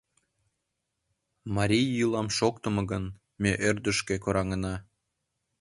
Марий йӱлам шуктымо гын, ме ӧрдыжкӧ кораҥына.